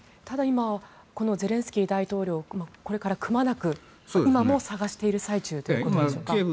ただ今このゼレンスキー大統領これからくまなく今も捜している最中ということでしょうか。